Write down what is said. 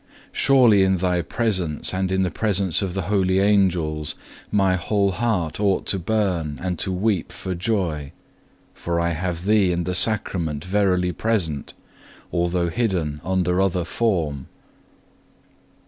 Surely in Thy presence and in the presence of the holy Angels my whole heart ought to burn and to weep for joy; for I have Thee in the Sacrament verily present, although hidden under other form.